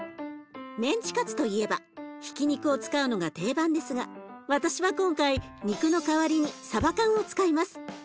メンチカツといえばひき肉を使うのが定番ですが私は今回肉の代わりにさば缶を使います。